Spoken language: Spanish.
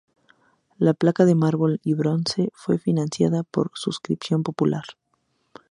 La placa, de mármol y bronce, fue financiada por suscripción popular.